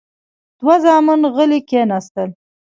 دوه زامن غلي کېناستل.